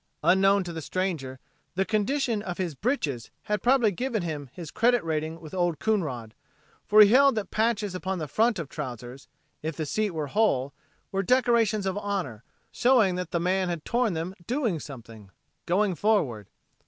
Unknown to the stranger the condition of his "britches" had probably given him his credit rating with Old Coonrod, for he held that patches upon the front of trousers, if the seat were whole, were decorations of honor, showing the man had torn them doing something, going forward.